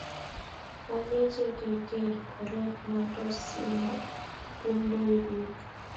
Ameche ke ker oret noto simobundoe biik